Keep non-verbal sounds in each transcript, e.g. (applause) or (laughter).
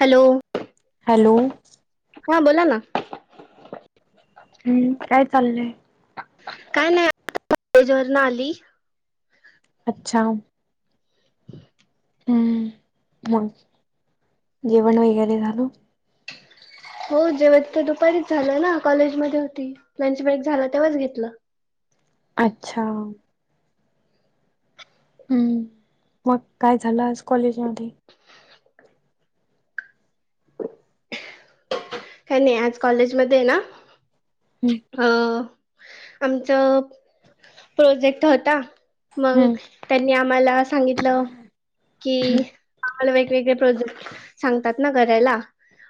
Hello! Hello हा बोला ना. हम्म, काय चाललंय? काय नाही आता कॉलेज वर न आली. अच्छा! हम्, मग जेवण वगैरे झाल! हो जेवण तर दुपारीच झालं ना, कॉलेजमध्ये होती लंच ब्रेक झाला तेव्हाच घेतलं. अच्छा! हम, मग काय झालं आज कॉलेजमध्ये? (inaudible) काय नाही आज कॉलेज मध्ये ना. हम. अ आमचं प्रोजेक्ट होता मग हम्म त्यांनी आम्हाला सांगितल. कि आम्हाला वेगवेगळे प्रोजेक्ट सांगतात ना करायला.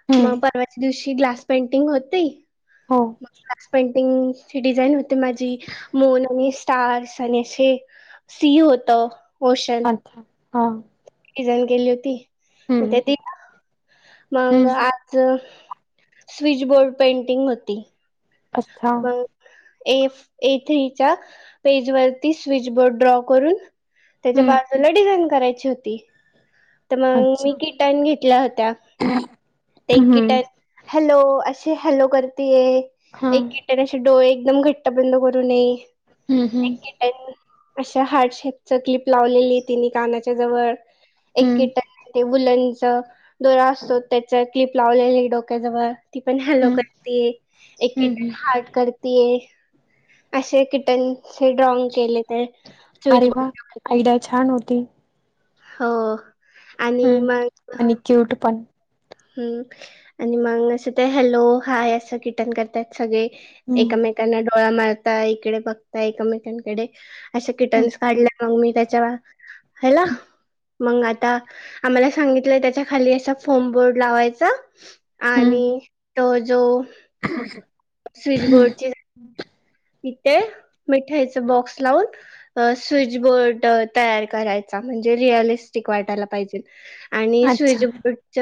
हम्म मग परवाच्या दिवशी ग्लास पेंटिंग होती. हो. काचपेंट पिंग ची डिझाईन होते माझी मून आणि स्टार्स आणि असे सी होत ओशन. अच्छा! हा. डिझाईन केली होती मग हम्म ते हम्म मग आज स्विचबोर्ड पेंटिंग होती. अच्छा हो. ए ए थ्रीच्या पेज वरती, स्विच बोर्ड ड्रॉ करून. तेच्या हम्म बाजूला डिझाईन करायची होती. तर मग अच्छा मी किटाण घेतल्या होत्या, ते हम्म किटान. हॅलो अशी हॅलो करतेय. हा एक हम्म ते तसे डोळे एकदम घट्ट बंद करू नये. हम्म एक हम्. अशा हार्टशेपच क्लिप लावलेली तिने कानाच्या जवळ. एक हम्म कीटन वुलंंच दोरा असतो, त्याच क्लिप लावलेली डोक्याजवळ. ती पण हॅलो हम्म करतीये, एक हम्म किट हम्म हार्ट करतेय असे कीट टेन चे ड्रॉइंग केले तर, स्विच अरे वा बोर्ड (unintelligible) आयडिया छान होती. हो, आणि हम्म मग. आणि क्यूट पण. हम् आणि मग असं ते, हॅलो हाय अस कीटान करत्यात सगळे हम्म एकमेका त्यानें डोळा मारता. इकडे बघता एकमेकांनडे अशे हम्म किटन्स काढ मग मी त्यांच्यावर हॅलो. मग आता आम्हाला सांगितलंय, त्यांच्या खाली असा फोर्मबोर्ड. लावायचा. हम्म आणि तो जो, स्विच बोर्डची. इथे मिठाईच बॉक्स लावून. अ.. स्विच बोर्ड तयार करायचा म्हणजे, रिअलिस्टिक वाटायला पाहिजे. आणि अच्छा स्विच बोर्डच,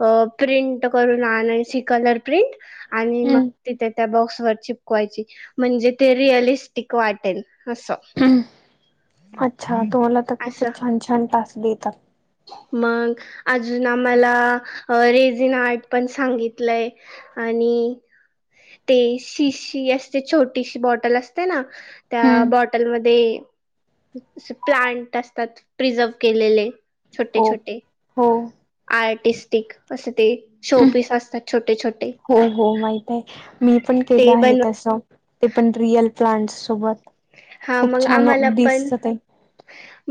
अ... प्रिंट करून आणायची कलर प्रिंट. आणि मग हम्म तिथे, त्या बॉक्सवर चीप कवायची म्हणजे ते, रिअलिस्टिक वाटेल असं. हम्म अच्छा, तुम्हाला तर असं खूपच छान छान टास्क देतात. मग अजून आम्हांला, रेजीन इन आर्ट पण सांगितलंय. आणि ते शिशी असते, छोटीशी बॉटल अस ते ना त्या हम्म. बॉटलमध्ये, प्लांट असतात, प्रिझर्व केलेले छोटे हो छोटे. हो आर्टिस्टिक असे ते, शोपीस असतात छोटे छोटे. हो हो माहित मी पण केलं ते आहे बनव तसं, ते पण रियल प्लांट सोबत. हा खूप मग छान आम्हाला पण दिसतं ते.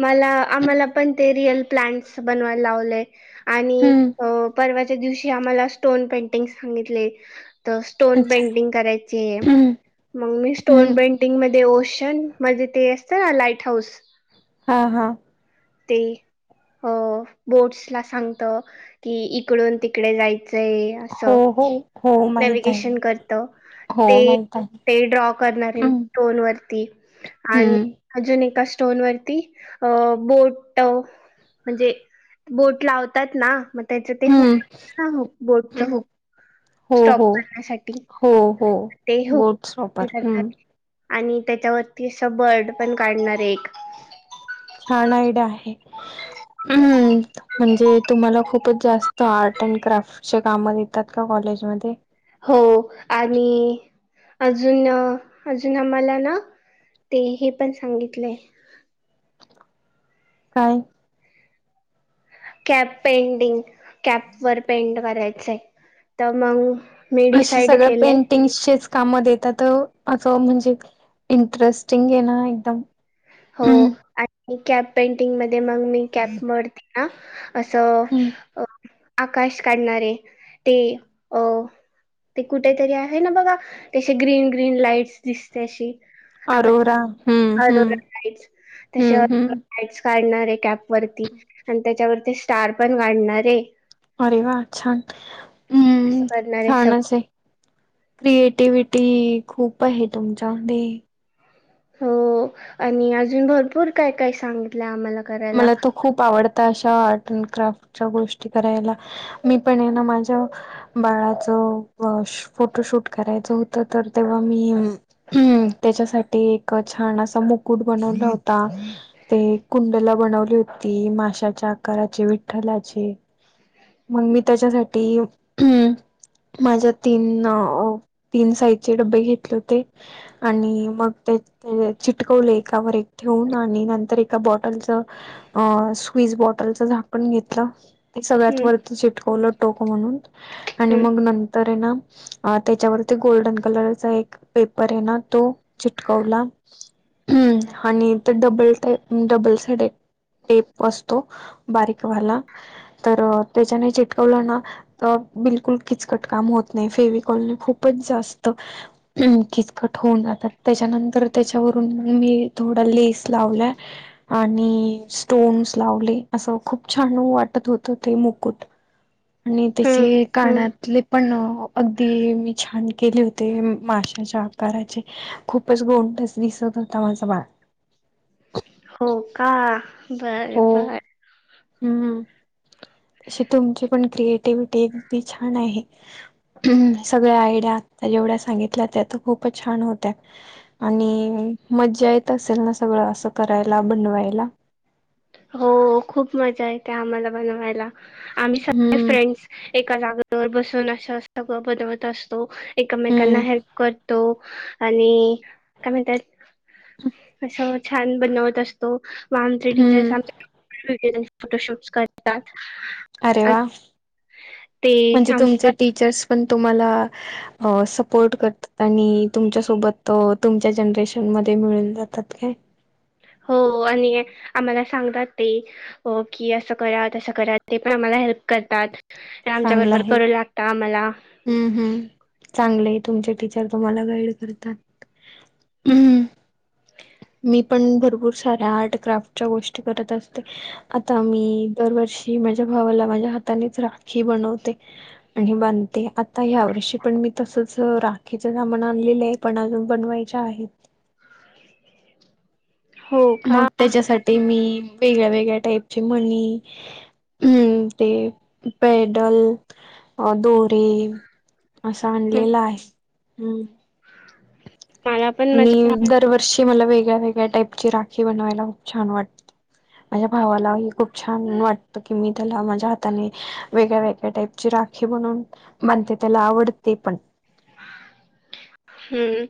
मला आम्हाला पण ते, रियल प्लांट्स बनवायला लावलेय. आणि हम्म. अ परवाच्या दिवशी आम्हांला, स्टोन पेंटिंग सांगितले. तर स्टोन अच्छा. पेंटिंग करायचे. हम्म मग मी स्टोन हम्म. पेंटिंग मध्ये, ओ शन म्हणजे, ते असतं ना लाईट हाऊस. हो हो. ते. अ बोट्स ला सांगत की, इकडून तिकडे जायचंय. हो हो. हो माहित आहे नॅविगेशन करतं. हो ते माहित आहे. ते ड्रॉ करणार हम्म स्टोन वरती आणि, हम्म. अजून एका स्टोन वरती अ बोट. म्हणजे बोट लावतात ना, मग त्याचं ते हम्म. हुक बोटच हुक. हो स्टॉप हो करण्यासाठी हो हो ते हुक बोट्स वापर उघडतात. हम्म आणि त्याच्यावरती असं बर्ड पण काढणारे एक. छान आयडिया आहे हं म्हणजे तुम्हाला खूप खूपच जास्त आर्ट अँड क्राफ्ट ची काम देतात का कॉलेजमध्ये? हो आणि अजून अजून आम्हाला ना ते हे पण सांगितलंय काय? कॅप पेंटिंग, कॅप वर पेंट करायचं आहे. तर मग मी अशे डिसाईड सगळ्या केलंय पेंटिंगचेच काम देतात असं म्हणजे इंटरेस्टिंग आहे ना एकदम. हो हम्म आणि कॅप पेंटिंग मध्ये मग मी कॅपवरती ना असं आकाश काढणारे, ते अ ते कुठ तरी आहे ना बघा, ती अशी ग्रीन ग्रीन लाईट्स दिसते अशी. आका अरोरा हम्म त्या हम्म हम्म अशा हम्म लाईट्स काढणार आहे कॅप वरती आणि त्याच्यावरती स्टार पण काढणारे. अरे वा, छान. असं हम्म, करणारे सगळं छानच असं. क्रिएटिव्हिट खूप आहे तुमच्यामध्ये. हो आणि अजून भरपूर काय काय सांगितलंय आम्हाला करायला मला तर खूप आवडता, अशा आर्ट अँड क्राफ्टच्या गोष्टी करायला. मी पण आहे ना माझ्या बाळाच फोटोशूट करायचं होतं, तर तेव्हा मी हम्म, त्याच्यासाठी एक छान असा मुकुट बनवला होता. ते कुंड ला बनवली होती, माशाच्या आकाराची, विठ्ठलाची. मग मी त्याच्यासाठी माझ्या तीन तीन साईजचे डब्बे घेतले होते आणि मग चिटकवले एकावर एक ठेऊन आणि नंतर एका बॉ बॉटलचं स्विज बॉटलच झाकण घेतलं ते सगळ्यात हम्म वरती चिटकवलं टोक म्हणून आणि हम्म मग नंतर आहे ना त्याच्यावरती गोल्डन कलरचा एक पेपर आहे ना, तो चिटकवला. हम्म आणि ते डबल ट डबल साईड टेप असतो तो बारीक वाला, तर त्याच्याने चिटकवला ना तर बिलकुल किचकट काम होत नाही. फेव कॉल नी खूपच जा स्त किचकट होऊन जातात, त्याच्यानंतर तर त्याच्यावरून मग मी थोडा लेस लावलाय आणि स्टोन्स लावले, असं खूप छान वाटत होत ते मुकुट. आणि हम्म त्याचे हम्म कानातले पण अगदी मी छान केले होते, माशाच्या आकाराचे. खूपच गोंडच दिसत होता माझं बाळ. हो का? बरं हो बरं. हम्म, तशी तुमची पण क्रिएटिव्हटी अगदी छान आहे. सगळ्या आयडिया आता जेवढ्या सांगितल्या, त्या तर खूपच छान होत्या. आणि मज्जा येत असेल ना, सगळं असं करायला, बनवायला. हो खूप मजा येते आम्हाला बनवायला. आम्ही सगळे हम्म फ्रेंड्स एका जागेवर बसून असं सगळं बनवत असतो, एकमेकांना हम्म हेल्प करतो. आणि काय म्हणतात कशावर छान बनवत असतो. हम्म मागच्या वेळेस (unintelligible) फोटोशूट्स कढतात. अरे वा म्हणजे आम तुमचे टीचर्स पण तुम्हाला हो सपोर्ट करतात. आणि तुमच्या सोबत तुमच्या जनरेशन मध्ये मिळून जातात काय. हो आणि आम्हाला सांगतात ते हो की असं करा असं करा ते पण आम्हाला हेल्प करतात. आमच्या चांगलं बरोबर आहे. करू लागत आम्हाला. हम्म हम् चांगले तुमचे टीचर तुम्हाला गाईड करतात. हम्म मी पण भरपूर साऱ्या आर्ट क्राफ्टच्या गोष्टी करत असते. आता मी दरवर्षी माझ्या भावाला माझ्या हातानेच राखी बनवते. आणि बांधते आता ह्यावर्षी पण मी तसच राखीचे सामान आणलेले आहे. पण अजून बनवायच्या आहेत. हो का. मग त्याच्यासाठी मी वेगळ्या वेगळ्या टाईपचे मणी. हम्म ते पेडल अ दोरे. असं हं, आणलेला आहे हम्म. (inaudible) पण माझ्या आणि दरवर्षी मला वेगळ्या वेगळ्या टाईपची राखी बनवायला खूप छान वाटते. माझ्या भावालाही खूप छान वाटत की मी त्याला माझ्या हाताने वेगळ्या वेगळ्या टाईपची राखी बनून बनते त्याला आवडते पण. हम्म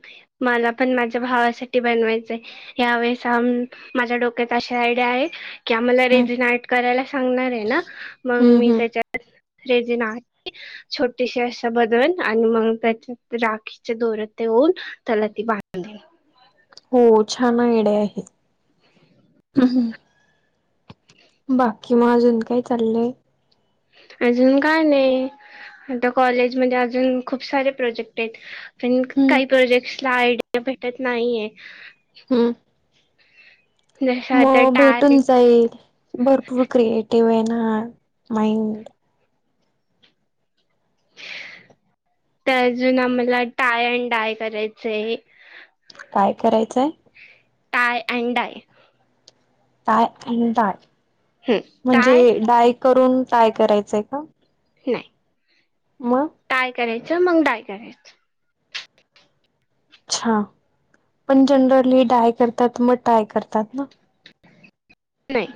मला पण माझ्या भावासाठी बनवायचय. यावेळेस अन माझ्या डोक्यात अशा आयडिया आहे. की आम्हाला हम्म. रेडी नाईट करायला सांगणार आहे ना मग हम्म मी हम्म. त्याच्यात रेडी नाईट. छोटीशी अशा बदल आणि मग त्याच्या राखीच्या दोरे देऊन त्याला ती बांधीन. हो छान आयडिया आहे. (inaudible) बाकी मग अजून काय चाललंय. अजून काय नाही आता कॉलेजमध्येध्ये अजून खूप सारे प्रोजेक्ट आहेत. पण हम्म काही प्रोजेक्टसला आयडीया भेटत नाहीये. हम्म. जसं म आता टाय भेटून जाईल भरपूर क्रिएटिव्ह आहे ना माइंड. तर अजून आम्हाला टाय अँड डाय करायच आहे. काय करायचंय? Tie and dye. टाय आणि डाय हम्म म्हणजे टाय डाय करून टाय करायचंय का? नाही. मग. टाय करायचं मग डाय करायचं. हा पण जनरली डाय करतात मग टाय करतात ना? नाही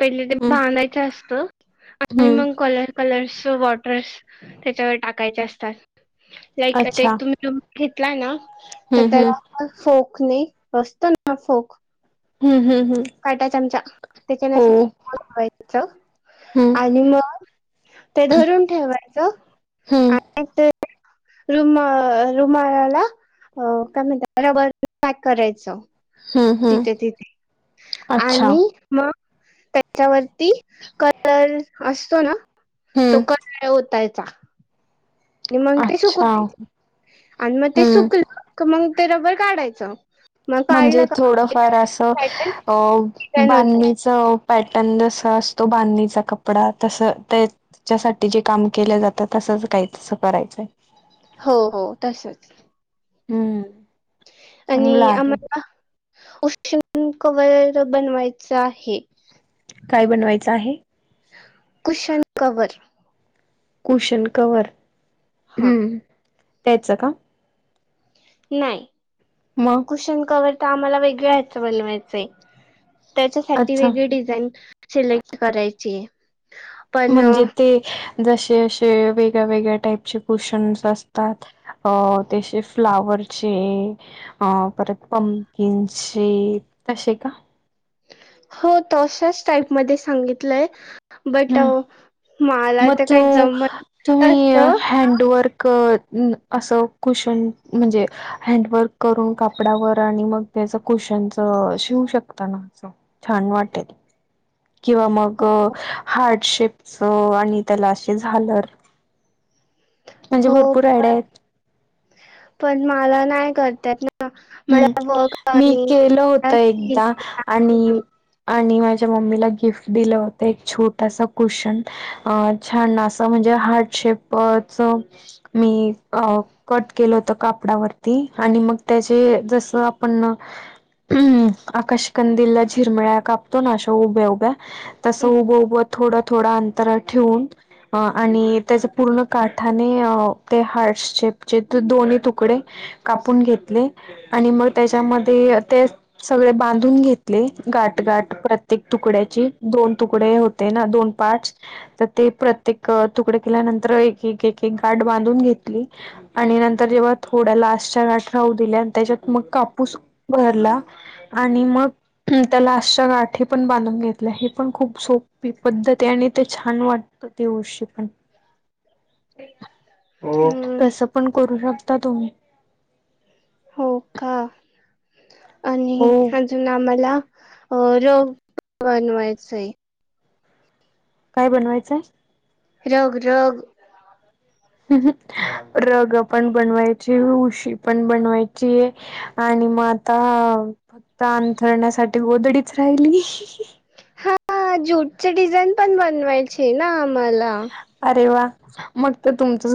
पहिले ते हम्म बांधायचं असत आणि हम्म मग कलर कलर्स वॉटर्स त्याच्यावर टाकायचे असतात लाईक आता अच्छा. एक तुम्ही घेतलाय ना. तर हम्म हम्म त्याला फोक नी, असत ना फोक. हम्म हम्म हम्म काटा चमचा. त्याच्याने हो अस (unintelligible) हम्म आणि मग ते धरून ठेवायच. हम्म आणि ते रुम अ रुमालाला अ काय म्हणतात, रबरने पॅक करायच. हम्म हम्म तिथ तिथे, अच्छा आणि मग त्याच्यावरती कलर असतो ना? तो हम्म कलर ओतायचा. आणि मग ते सुकू अच्छा दे. आणि मग ते हम्म सुकल का मग ते रबर काढायच. म्हणजे, थोडफार अस अ पॅटर्न डिझाईन होते बांधणी च पॅटर्न जस असतो, बांधणीचा कपडा तस ते ज्यासाठी जे काम केले जातात तसच काही तस करायच. हो हो तसच. हम्म चांगलं आणि, आहे आम्हाला कुशन कवर बनवायच आहे. काय बनवायच आहे. Cushion cover. कुशन कव्हर, हा ह, त्याच का? नाही. मग कुशन कव्हर तर आम्हाला वेगळ्या ह्याच बनवायचय आहे. त्याच्यासाठी अच्छा वेगळी डिझाईन सिलेक्ट करायची आहे. पण म्हणजे ते जसे असे वेगळ्या वेगळ्या टाईपचे कुशनस् असतात. अं ते असे फ्लॉवरचे अ परत पमकिनचे, तसे का? हो तश्याच टाईपमध्ये सांगितलय. बट मला म तर तू, काही जमत तुम्ही असत हँडवर्क अस कुशन म्हणजे, हँडवर्क करून कापडावर आणि मग त्याच कुशनच शिवू शकता ना अस. छान वाटेल. किंवा मग अ हार्ट शेप सो आणि त्याला आशी झालर, म्हणजे हो भरपूर आयडिया आहेत. पण मला नाही करता येत ना. हम्म, मला वर्क मी आणि केल होत एकदा आणि आणि माझ्या मम्मीला गिफ्ट दिल होत. एक छोटासा कुशन. अ छान अस म्हणजे हार्ट शेपच मी अं कट केल होत कापडावरती. आणि मग त्याचे ते जस आपण हम्म, आकाश कंदला झिरमळ्याकपतो ना अशा उभ्या उभ्या. तस उभ उभ थोड थोड अंतर ठेवून अ आणि त्याचे पूर्ण काठाने ते हार्टशेपचे दोन्ही तुकडे कापून घेतले. आणि मग त्याच्यामध्ये तेच सगळे बांधून घेतले. गाठ गाठ प्रत्येक तुकड्याची. दोन तुकडे होते. ते ना दोन, पाच तर ते प्रत्येक तुकडे केल्यानंतर एक एक एक एक गाठ बांधून घेतली. आणि नंतर जेव्हा थोड्या लाशच्या गाठ राहू दिल्या आणि त्याच्यात मग कापूस भरला. आणि मग. हम. त्या लास्टच्या गाठी पण बांधून घेतल्या. हे पण खूप सोपी पद्धत आहे आणि ते छान वाट. तर ते वर्षी पण. हो. हम्म तस पण करू शकता तुम्ही. हो का. आणि हो अजून आम्हाला अ र बनवायचय. काय बनवायचंय? रग रग. रग पण बनवायची. उशी पण बनवायची. आणि मग आता अंथरण्यासाठी गोधडीच राहिली. हा जूटचे डिझाईन पण बनवायचे ना आम्हाला. अरे वा मग तर तुमचं